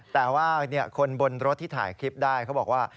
แต่ว่าคนบนรถที่ถ่ายคลิปได้เขาบอกว่า